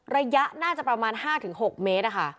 ระยะน่าจะประมาณ๕๖เมตร